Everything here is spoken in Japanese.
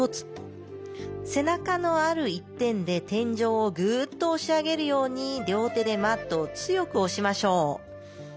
背中のある一点で天井をグッと押し上げるように両手でマットを強く押しましょう。